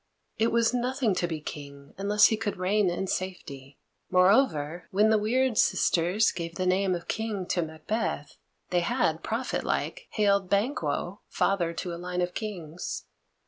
It was nothing to be King unless he could reign in safety. Moreover, when the weird sisters gave the name of King to Macbeth, they had, prophet like, hailed Banquo father to a line of Kings.